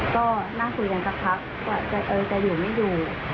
ก็นั่งคุยกันสักพักว่าจะอยู่ไม่อยู่